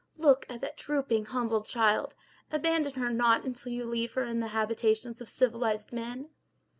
Look at that drooping humbled child! Abandon her not until you leave her in the habitations of civilized men.